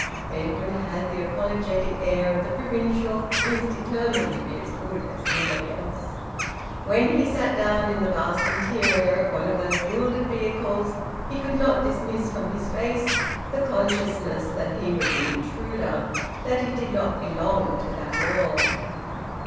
Edwin had the apologetic air of the provincial who is determined to be as good as anybody else. When he sat down in the vast interior of one of those gilded vehicles he could not dismiss from his face the consciousness that he was an intruder, that he did not belong to that world.